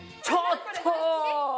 ちょっと！